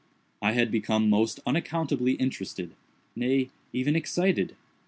I had become most unaccountably interested—nay, even excited.